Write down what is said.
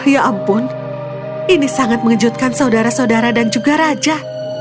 ya ampun ini sangat mengejutkan saudara saudara dan juga raja